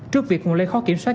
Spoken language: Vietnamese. trước việc nguồn lây khó kiểm soát